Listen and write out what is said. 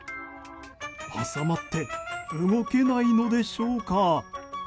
挟まって動けないのでしょうか？